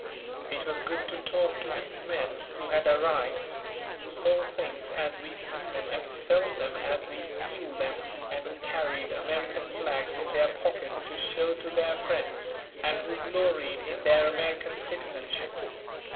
It was good to talk to these men who had "arrived," who saw things as we see them and felt them as we feel them, and who carried American flags in their pockets to show to their friends and who gloried in their American citizenship.